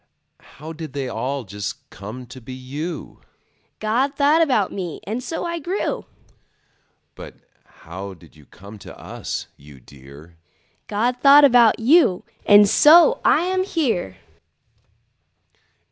How did they all just come to be you? God thought about me, and so I grew. But how did you come to us, you dear? God thought about you, and so I am here.